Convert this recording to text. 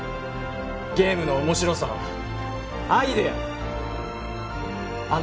ゲームの面白さはアイデアだ